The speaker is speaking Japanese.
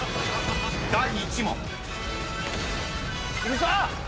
［第１問］